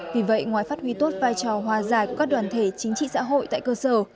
vì vậy ngoài phát huy tốt vai trò hòa giải của các đoàn thể chính trị xã hội tại cơ sở